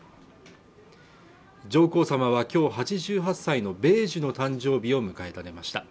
上皇さまは今日８８歳の米寿の誕生日を迎えられました